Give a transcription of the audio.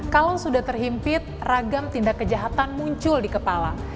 kalau sudah terhimpit ragam tindak kejahatan muncul di kepala